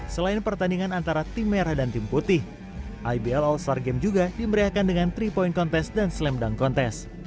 selain pertandingan antara tim merah dan tim putih ibl all star game juga diberiakan dengan tiga point contest dan slam dunk contest